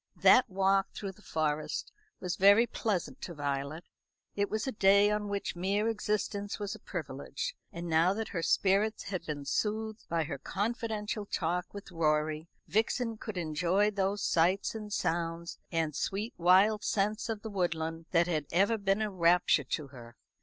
That walk through the Forest was very pleasant to Violet. It was a day on which mere existence was a privilege; and now that her spirits had been soothed by her confidential talk with Rorie, Vixen could enjoy those sights and sounds and sweet wild scents of the woodland that had ever been a rapture to her.